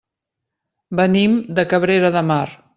Venim de Cabrera de Mar.